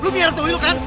lu biar itu yuk kan